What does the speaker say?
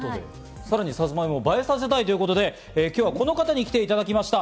サツマイモを映えさせたいということで、今日はこの方に来ていただきました。